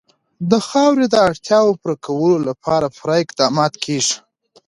د خاورې د اړتیاوو پوره کولو لپاره پوره اقدامات کېږي.